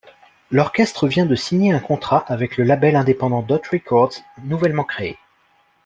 L'orchestre vient de signer un contrat avec le label indépendant Dot Records, nouvellement créé.